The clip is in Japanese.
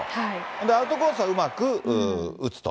アウトコースはうまく打つと。